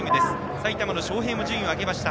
埼玉の昌平も順位を上げました。